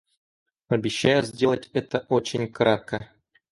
Обещаю сделать это очень кратко.